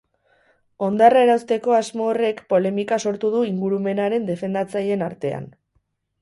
Hondarra erauzteko asmo horrek polemika sortu du ingurumenaren defendatzaileen artean.